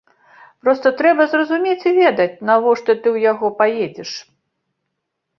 Проста трэба разумець і ведаць, навошта ты ў яго паедзеш.